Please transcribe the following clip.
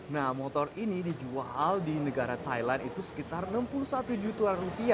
nah motor ini dijual di negara thailand itu sekitar rp enam puluh satu juta